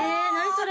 それ。